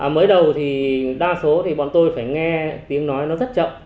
mới đầu thì đa số thì bọn tôi phải nghe tiếng nói nó rất chậm